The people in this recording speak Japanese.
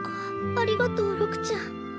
ありがとう六ちゃん。